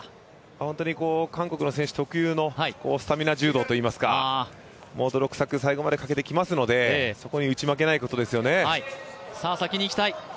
本当に韓国の選手特有のスタミナ柔道といいますか、泥臭く最後までかけてきますので、そこに打ち負けないことですよね。